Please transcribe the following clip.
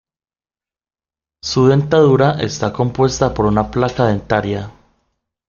Su dentadura está compuesta por una placa dentaria.